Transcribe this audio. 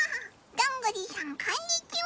どんぐりさんこんにちは！